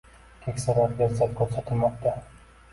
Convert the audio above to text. Keksalarga izzat ko‘rsatilmoqda